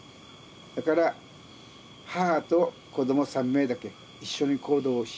だから母と子供３名だけ一緒に行動しました。